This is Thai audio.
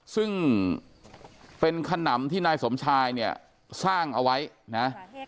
ซึ่งเป็นขนำที่นายสมชายเนี่ยสร้างเอาไว้นะ